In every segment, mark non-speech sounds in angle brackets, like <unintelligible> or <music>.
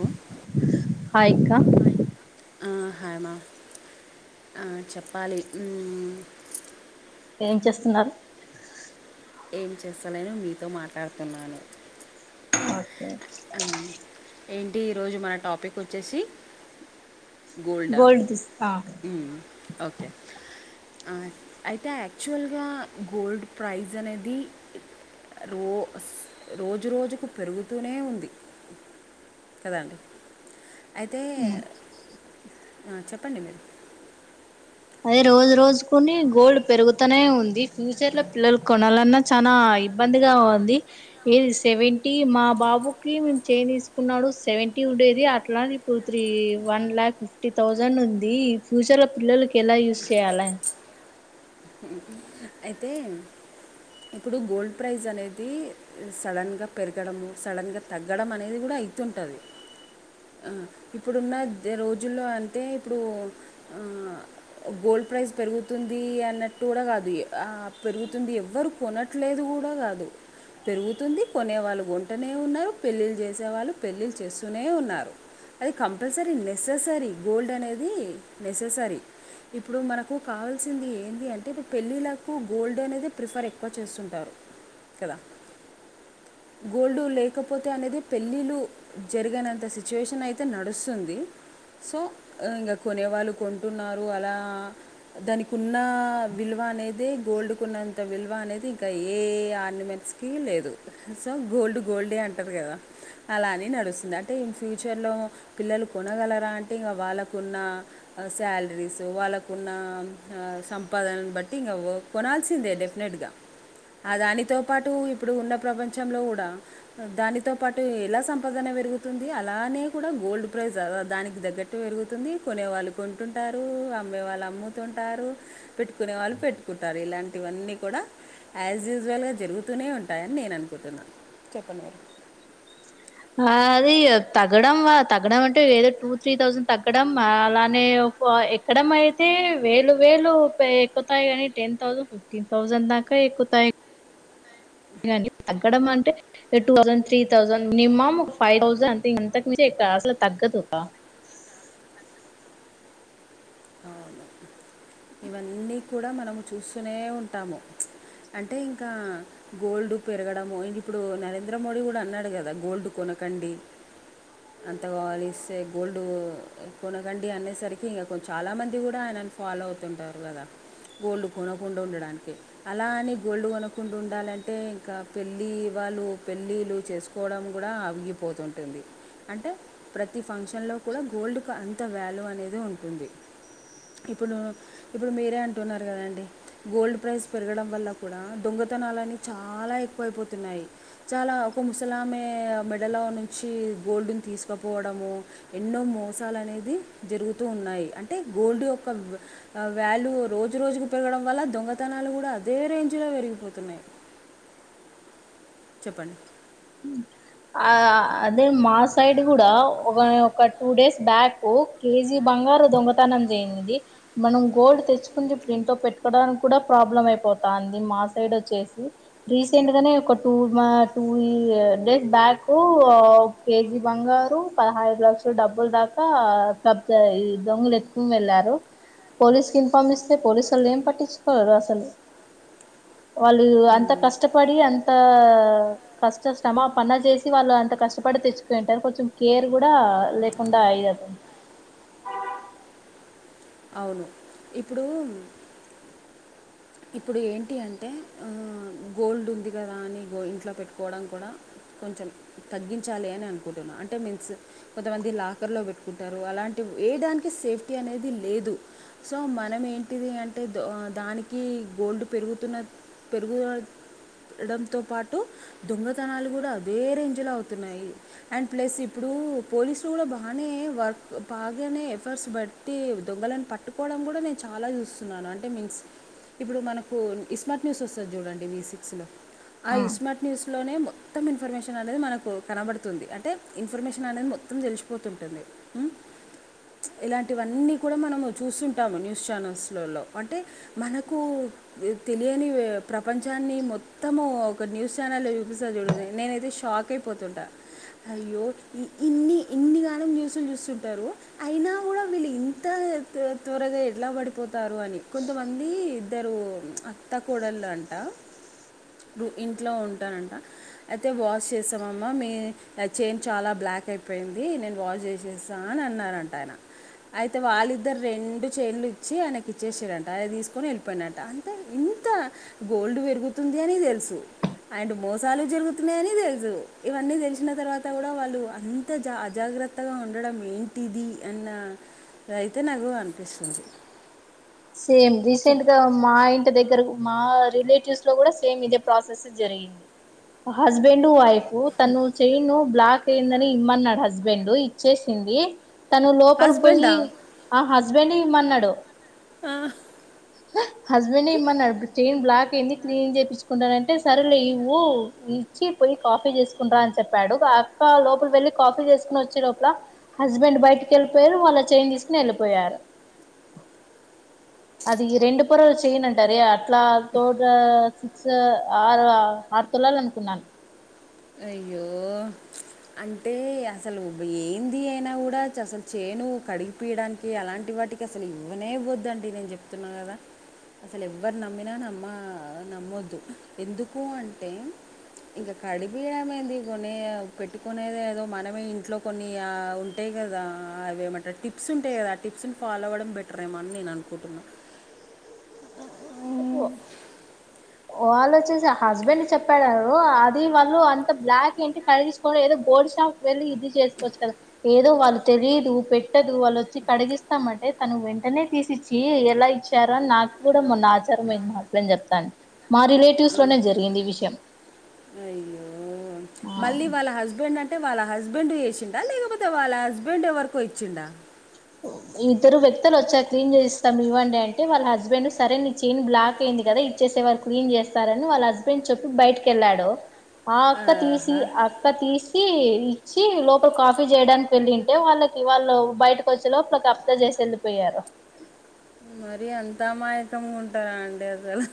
హా హాయ్ అక్క ఉమ్ హాయ్ మా ఆ చెప్పాలి హ్మ్ ఏం చేస్తున్నారు ఏం చేస్తాలేను మీతో మాట్లాడుతున్నాను ఓకే ఉమ్ ఏంటి ఈరోజు మన టాపిక్ వచ్చేసి గోల్డ గోల్డ్ తీస్ ఆ ఉమ్ ఓకే అయితే యాక్చువల్గా గోల్డ్ ప్రైజ్ అనేది రో రోజు రోజుకు పెరుగుతూనే ఉం కదా అండి అయితే ఆ చెప్పండి మీరు అదే రోజు రోజుకుని గోల్డ్ పెరుగుతూనే ఉంది ఫ్యూచర్ లో పిల్లలుకు కొనాలన్నా చనా ఇబ్బందిగా ఉంది ఏది సెవెంటీ మా బాబుకి మేము చేన్ తీసుకున్నాడు సెవెంటీ ఉండేది అట్లా two three one lakh fifty thousand ఉంది ఫ్యూచర్లో పిల్లలకి ఎలా యూస్ చేయాలం అయితే ఇప్పుడు గోల్డ్ ప్రైజ్ అనేది సడన్గా పెరగడము సడన్గా తగ్గడం అనేది కూడా అయితుంటది ఇప్పుడున్న రోజుల్లో అయితే ఇప్పుడు ఆ గోల్డ్ ప్రైజ్ పెరుగుతుంది అన్నట్టు కూడా కాదు ఆ పెరుగుతుంది ఎవ్వరు కొనట్లేదు కూడా కాదు పెరుగుతుంది కొనే వాళ్ళు కొంటూనే ఉన్నారు పెళ్లిళ్ళు చేసేవాళ్ళు పెళ్ళిళ్ళ చేస్తూనే ఉన్నారు అది కంపల్సరీ నెససరీ గోల్డ్ అనేది నెససరీ ఇప్పుడు మనకు కావాల్సింది ఏంది అంటే ఇప్పుడు పెళ్ళిలా కు గోల్డ్ అనేది ప్రిఫర్ ఎక్కువ చేస్తుంటారు కదా గోల్డు లేకపోతే అనేది పెళ్ళిళ్ళ జరిగనంత సిచ్యువేషన్ అయితే నడుస్తుంది సో ఇంకా కొనే వాళ్ళు కొంటున్నారు అలా దానికున్న విలువ అనేది అదే గోల్డ్కున్నంత విలువ అనేది ఇంకా ఏ ఆర్నమెంట్స్కి లేదు సో గోల్డ్ గోల్డే అంటారు కదా అలానే నడుస్తుంది అంటే ఈ ఫ్యూచర్లో పిల్లలు కొనగలరా అంటే ఇంకా వాళ్ళకున్న శాలరీస్ వాళ్ళకు ఉన్న సంపాదనను బట్టి అ కొనాల్సిందే డెఫినెట్ గా ఆ దానితో పాటు ఇప్పుడు ఉన్న ప్రపంచంలో కూడా దానితో పాటు ఎలా సంపాదన పెరుగుతుంది అలానే కూడా గోల్డ్ ప్రైజ్ దానికి తగ్గట్ పెరుగుతుంది కొనే వాళ్ళు కొంటుంటారు అమ్మే వాళ్ళు అమ్ముతుంటారు పెట్టుకునే వాళ్ళు పెట్టుకుంటారు ఇలాంటివన్నీ కూడా యాజ్ యూజువల్ గా జరుగుతూనే ఉంటాయని నేను అనుకుంటున్నా చెప్పండి మీరు అది తగ్గడం తగ్గడం అంటే ఏదో టూ త్రీ థౌజండ్ తగ్గడం అలానే ఎక్కడం అయితే వేలు వేలు ఎక్కుతాయి కానీ టెన్ తౌసండ్ థౌజండ్ దాకా ఎక్కుతాయి కాని తగ్గడం అంటే two thousand three thousand minimum ఒక ఫైవ్ థౌసండ్ అంతే ఇంతకు మంచి ఆసలు తగ్గదు ఒక అవును ఇవన్నీ కూడా మనము చూస్తూనే ఉంటాము అంటే ఇంకా గోల్డ్ పెరగడము అం ఇప్పుడు నరేంద్ర మోడీ కూడా అన్నాడు కదా గోల్డ్ కొనకండి అంత కావలిస్తే గోల్డ్ కొనకండి అనేసరికి ఇంకా కొంచెం చాలా మంది కూడా ఆయనను ఫాలో అవుతుంటారు కదా గోల్డ్ కొనకుండా ఉండడానికి అలా అని గోల్డ్ కొనుకుండా ఉండాలంటే ఇంకా పెళ్లి వాళ్ళు పెళ్ళిలు చేసు కోవడం కూడా ఆవగిపోతుంటుంది అంటే ప్రతి ఫంక్షన్లో కూడా గోల్డ్కు అంత వ్యాల్యూ అనేది ఉంటుంది ఇప్పుడు ఇప్పుడు మీరే అంటున్నారు కదండి గోల్డ్ ప్రైజ్ పెరగడం వల్ల కూడా దొంగతనాలు అన్నీ చాలా ఎక్కువైపోతున్నాయి చాలా ఒక ముసలామే మెడలో నుంచి గోల్డ్ని తీసుకుపోవడము ఎన్నో మోసాలు అనేది జరుగుతూ ఉన్నాయి అంటే గోల్డ్ యొక్క వ్యాల్యూ రోజు రోజుకు పెరగడం వల్ల దొంగతనాలు కూడా అదే రేంజ్ లో పెరిగిపోతున్నాయి చెప్పండి ఉ ఆ అదే మా సైడ్ కూడా ఒక ఒక టూ డేస్ బ్యాక్ కేజీ బంగారు దొంగతనం జేయింది మనం గోల్డ్ తెచ్చుకుంది ఇప్పుడు ఇంట్లో పెట్టుకోవడానికి కూడా ప్రాబ్లం అయిపోతాంది మా సైడ్ వచ్చేసి రీసెంట్ గానే ఒక టూ మా టూ ఇ డేస్ బ్యాక్ కేజీ బంగారు పదహైదు లక్షల డబ్బులు దాకా క ఇ దొంగలు ఎత్తుకొని వెళ్లారు పోలీస్కీ కన్ఫామ్ ఇస్తే పోలీసులు ఏం పట్టించుకోరు అసలు వాళ్ళు అంత ఉమ్, కష్టపడి అంత కష్ట శ్రమ ఆ పనీ చేసి వాళ్ళు అంత కష్టపడి తెచ్చుకుంటారు కొంచెం కేర్ కూడా లేకుండా అయాది అవును ఇప్పుడు ఇప్పుడు ఏంటి అంటే గోల్డ్ ఉంది కదా అని గో ఇంట్లో పెట్టుకోవడం కూడా కొంచెం తగ్గించాలి అని అనుకుంటున్నా అంటే మిన్స్ కొంతమంది లాకర్లో పెట్టుకుంటారు అలాంటి ఏ దానికి సేఫ్టీ అనేది లేదు సో మనం ఏంటిది అంటే దో దానికి ఈ గోల్డ్ పెరుగుతున్న పెరుగు పెరగడంతో పాటు దొంగతనాలు కూడా అదే రేంజ్లో అవుతున్నాయి అండ్ ప్లస్ ఇప్పుడు పోలీసులు కూడా బాగానే వర్క్ బాగానే ఎఫర్ట్స్ బట్ టి దొంగలను పట్టుకోవడం కూడా నేను చాలా చూస్తున్నాను అంటే మీన్స్ ఇప్పుడు మనకు ఇస్మార్ట్ న్యూస్ వస్తుంది చూడండి వి సిక్స్లో ఆ ఇస్మార్ట్ న్యూస్లోనే మొత్తం ఇన్ఫర్మేషన్ అనేది మనకు కనబడుతుంది అంటే ఇన్ఫర్మేషన్ అనేది మొత్తం తెలిసిపోతుంటుంది ఉ ఇలాంటివన్నీ కూడా మనము చూస్తుంటాము న్యూస్ ఛానల్స్లో అంటే మనకు కు తేలియనివి ప్రపంచాన్ని మొత్తము ఒక న్యూస్ ఛానల్ చూపిస్తారు చూడండి నేనైతే షాక్ క్కైపోతుంటా అయ్యో ఇన్ని ఇన్నిగాన న్యూస్లు చూస్తుంటారు అయినా కూడా వీళ్ళు ఇంత త త్వరగా ఎట్లా పడిపోతారు అని కొంతమంది ఇద్దరు అత్త కోడళ్ళు అంట ఇంట్లో ఉంటారంట అయితే వాష్ చేస్తామమ్మ మీ చైన్ చాలా బ్లాక్ అయిపోయింది నేను వాష్ చేసేసి రా అన్నారంట ఆయన అయితే వాళ్ళిద్దరు రెండు చైన్లు ఇచ్చి ఆయనకి ఇచ్చేసారంట ఆయన తీసుకొని వేల్ పోయిన అంట అంతే ఇంత గోల్డ్ పెరుగుతుంది అని తెలుసు అండ్ మోసాలు జరుగుతున్నాయని తెలుసు ఇవన్నీ తెలిసిన తర్వాత కూడా వాళ్ళు అంత జా అజాగ్రత్తగా ఉండడం ఏంటిది అన్న రయితే నాకు అనిపిస్తుంది సేమ్ రీసెంట్గా మా ఇంటి దగ్గర మా రిలేటివ్స్లో కూడా సేమ్ ఇదే ప్రాసెస్ జరిగింది హస్బెండ్ వైఫ్ తను చైను బ్లాక్ అయిందని ఇమ్మన్నాడు హస్బెండ్ ఇచ్చేసింది తను లోపలి పోయి హస్బెండా ఆ హస్బెండ్ ఇవ్వమన్నాడు ఆ హస్బెండ్ ఇమ్మన్నాడు చైయిన్ బ్లాక్ అయింది క్లీన్ చేపించుకుంటా అంటే సరేలే ఇవ్వు ఈ వచ్చి పోయి కాఫీ చేసుకొని రా అని చెప్పాడు ఆ అక్క లోపల వెళ్ళలి కాఫీ చేసుకుని వచ్చే లోపల హస్బెండ్ బయటికి వెళ్ళిపోయారు వాళ్ళు ఆ చైన్ తీసుకుని వెళ్ళిపోయారు అది రెండు పొరల చైన్ అంటారే అట్లా తోట సా ఆరు ఆరు తులాలు అనుకున్నా అయ్యో అంటే అసలు ఏంది అయినా కూడా అసలు చేను కడిపియడానికి అలాంటి వాటికి అసలు ఇవ్వనే ఇవ్వద్దండి నేను చెప్తున్నా కదా అసలు ఎవరు నమ్మినా నమ్మ నమ్మొద్దు ఎందుకు అంటే ఇంకా కాడి <unintelligible> వీడమేంది కొన్ని పెట్టుకునేద ఏదో మనమే ఇంట్లో కొన్ని ఉంటాయి కదా అవేమంటారు అ టిప్స్ ఉంటాయి కదా ఆ టిప్స్ ని ఫాలో అవ్వడం బెటర్ ఏమో అని నేను అనుకుంటున్నా ఏ పో <unintelligible> వాళ్ళ వచ్చేసి హస్బెండ్ చెప్పాడారు అది వాళ్ళు అంత బ్లాక్ ఏంటి కడి <unintelligible> పో ఏదో బోల్డ్ షప్ వెళ్లి ఇది చేసుకోచ్చు కదా ఏదో వాళ్ళు తెలియదు పెట్టదు వాళ్ళు వచ్చి కడిగిస్తామంటే తను వెంటనే తీసిచ్చ చి ఎలా ఇచ్చారో నాకు కూడా మొన్న <unintelligible> సరేలే మా హస్బెండ్ కి చెప్తాను మా రిలేటివ్స్ లోనే జరిగింది ఈ విషయం అయ్యో మళ్ళీ వాళ్ళ హస్బెండ్ అంటే వాళ్ళ హస్బెండ్ చేసిండా లేకపోతే వాళ్ళ హస్బెండ్ ఎవరికో ఇచ్చిండా ఇద్దరు వ్యక్తులు వచ్చారు క్లీన్ చేసిస్తాం ఇవ్వండి అంటే వాళ్ళ హస్బెండ్ సరే అనీ చైన్ బ్లాక్ అయింది కదా ఇచ్చేసేవారు క్లీన్ చేస్తారని వాళ్ళ హస్బెండ్ చెప్పి బయటకెళ్ళాడు ఆ అక్క తీసి ఆహా క్క తీసి ఇచ్చి లోపల కాఫీ చేయడానికి వెళ్ళింటే వాళ్ళకి వాళ్ళు బయట వచ్చేలోపులో కబ్జా చేసి వెళ్లిపోయారు మరి అంత అమాయకంగా ఉంటారా అండి అసలు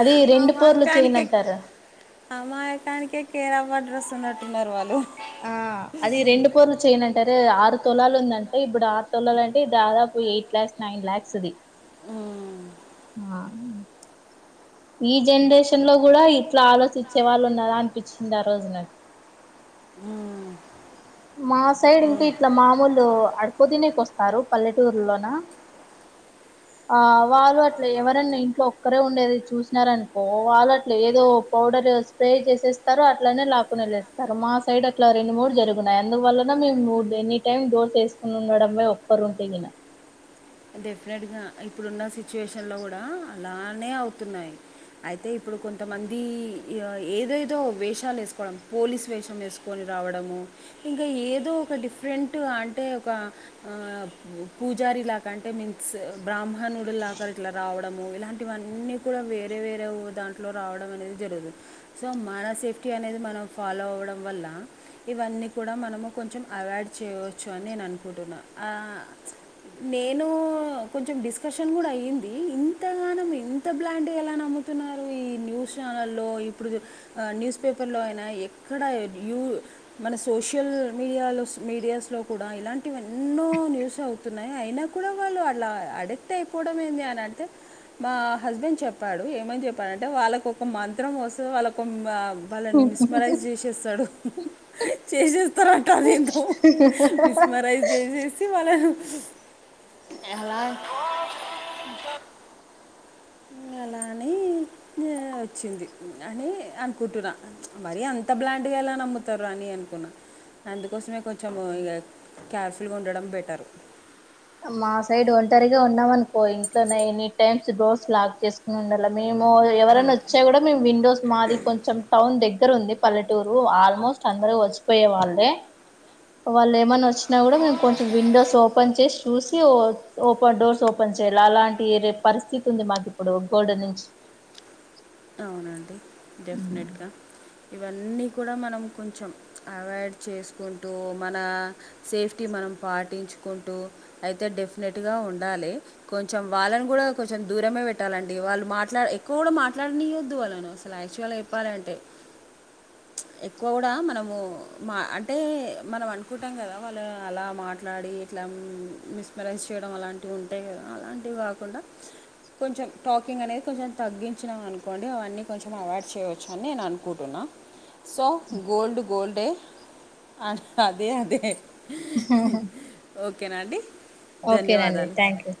అది రెండు అమా పోర్లు చైన్ కానిక అంటారు <unintelligible> అమాయకానికే కేరాఫ్ అడ్రస్ ఉన్నట్టున్నారు వాళ్ళు ఆ అది రెండు పొర్లు చైన్ అంటే అరె ఆరు తొలాలు ఉంద అంటే ఇప్పుడు ఆరు తులాల అంటే దాదాపు ఎయిట్ ల్యాక్స్ నైన్ లాక్స్ అది ఉమ్, ఆ ఈ జనరేషన్ లో కూడా ఇట్లా ఆలోచించే వాళ్ళు ఉన్నరా అనిపించింది ఆ రోజు నాకు ఉమ్, మా సైడ్ ఏ ఇంకా ఇట్లా మామూలు అడుక్కుతినెక్ వస్తారు పల్లెటూరుల్లోన ఆ వాళ్ళు అట్ల ఎవరన్నా ఇంట్లో ఒక్కరే ఉండేది చూసినారనుకో వాళ్ళు అట్ల ఏదోఒక పౌడర్ స్ప్రే చేసేస్తారు అట్లనే లాకునళ్లేేస్తారు మా సైడ్ అట్లా రెండు మూడు జరు నయి అందువలన మేము ఎనీ టైమ్ డోర్స్ ఏసుకుని ఉండడమే ఒక్కరు ఉంటేగిన డెఫినెట్గా ఇప్పుడున్న సిచ్యుయేషన్ లో కూడా అలానే అవుతున్నాయి అయితే ఇప్పుడు కొంతమంది ఇఅ ఏదోదో వేషాలు వేసుకోవడం పోలీస్ వేషం వేసుకో కొని రావడము ఇంకా ఏదో ఒక డిఫరెంట్ అంటే ఒక ఆ పూజారి లా కంటే మీన్స్ బ్రాహ్మణుడులాగా ఇట్లా రావడము ఇలాంటివన్నీ కూడా వేరే వేరే దాంట్ ట్లో రావడం అనేది జరిగింది సో మన సేఫ్టీ అనేది మనం ఫాలో అవ్వడం వల్ల ఇవన్నీ కూడా మనము కొంచెం అవాయిడ్ చేయవచ్చు అని నేను అనుకుంటున్నా ఆ నేను కొంచెం డిస్కషన్ కూడా అయ్యింది ఇంతగానం ఇంత బ్లాండ్గా ఎలా నమ్ చెప్తున్నారు ఈ న్యూస్ ఛానల్లో ఇప్పుడు ఆ న్యూస్ పేపర్ లో అయిన ఎక్కడ యూ మన సోషల్ మీడియాలోస్ మీడియాస్ లో కూడా ఇలాంటివి ఎన్నో న్యూస్ అవుతున్నాయి అయినా కూడా వాళ్ళు అట్లా అడిక్ట్ అయిపోవడం ఏంది అని అంటే మా హస్బెండ్ చెప్పాడు ఏమని చెప్పాడంటే వాళ్ళకొక మంత్రం వస్తది వాళ్ళకో వాళ్ళని మిస్మరైజ్ చేసేస్తాడు చేసేస్తారంటదేదో మిస్మరైజ్ చేసేసి వాళ్ళను అలా ఇంగ అలా అని వచ్చింది అని అనుకుంటున్నా మరి అంత బ్లాండ్ గా ఎలా నమ్ముతారు అని అనుకున్నా అందుకోసమే కొంచెం ఇక కేర్ఫుల్గా ఉండడం బెటరు మా సైడ్ ఒంటరిగా ఉన్నామనుకో ఇంట్లోనే ఎనీ టైమ్స్ డోర్స్ లాక్ చేసు ఉండాల మేము ఎవరైనా హలో వచ్ తే కూడా మేము విండోస్ మాది కొంచెం టౌన్ దగ్గరుంది పల్లెటూరు. ఆల్మోస్ట్ అందరూ వచ్చిపోయే వాళ్ళే వాల్లేమైన్నా వచ్చినా కూడా మేము కొంచెం విండోస్ ఓపెన్ చేసి చూసి ఓ ఓపన్ డోర్స్ ఓప్ పని చేల లాంటి పరిస్థితి ఉంది మాకిప్పుడు గోడ నుంచి అవునండి డెఫినెట్గా ఇవన్నీ కూడా మనం కొంచెం అవాయిడ్ చేసుకుంటూ మన సేఫ్టీ మనం పాటించుకుంటూ అయితే డెఫినెట్ గా ఉండాలి కొంచెం వాళ్ళని కూడా కొంచెం దూరమే పెట్టాలండి వాళ్ళు మాట్లాడ ఎక్కువ కూడా మాట్ అట్లా అన్నియ్యొద్దు వాళ్ళనసలు యాక్చువల్ గా చెప్పాలంటే ఎక్కువ కూడా మనము మా అంటే మనం అనుకుంటాం కదా వాళ్ళు అలా మాట్లాడి ఇట్లా మిస్మెరైజ్ చేయడం అలాంటివుంటాయి కదా అలాంటివి కాకుండా కొంచెం టాకింగ్ అనేది కొంచెం తగ్గిం వచ్చినాం అనుకోండి అవన్నీ కొంచెం అవాయిడ్ చేయవచ్చని నేననుకుటున్నా సో గోల్డ్ గోల్డే అది అదే అదే ఓకేనా అండి ఓకేనండి ధన్యవాదాలు థ్యాంక్ యూ